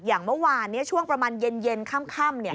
อย่างเมื่อวานช่วงประมาณเย็นค่ำ